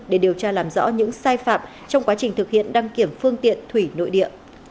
để điều tra làm rõ những sai phạm trong quá trình thực hiện đăng kiểm phương tiện thủy nội địa